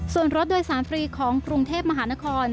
ส่วนรถโดยสารฟรีของกรุงเทพมหานคร